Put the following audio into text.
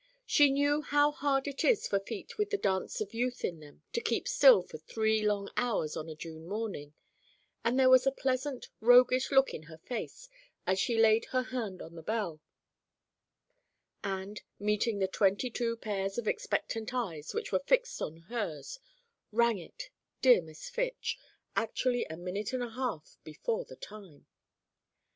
She knew how hard it is for feet with the dance of youth in them to keep still for three long hours on a June morning; and there was a pleasant, roguish look in her face as she laid her hand on the bell, and, meeting the twenty two pairs of expectant eyes which were fixed on hers, rang it dear Miss Fitch actually a minute and a half before the time.